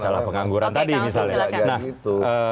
soal pengangguran tadi misalnya